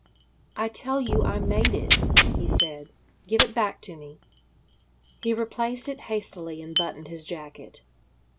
"I tell you I made it," he said. "Give it back to me." He replaced it hastily and buttoned his jacket.